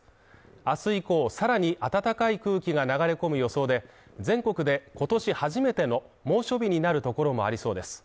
あす以降さらに暖かい空気が流れ込む予想で、全国で今年初めての猛暑日になるところもありそうです。